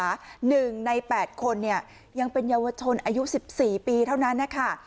หนึ่งใน๘คนเนี่ยยังเป็นเยาวชนอายุ๑๔ปีเท่านั้นนะคะ